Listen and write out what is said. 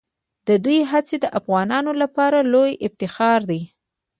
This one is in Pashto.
د دوی هڅې د افغانانو لپاره لویه افتخار دي.